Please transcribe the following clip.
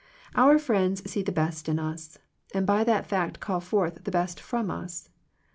Our friends see the best in us, and by that very fact call forth the best from us.